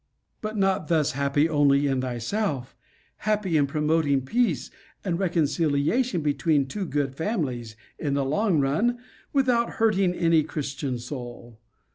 But not thus happy only in thyself: happy in promoting peace and reconciliation between two good families, in the long run, without hurting any christian soul.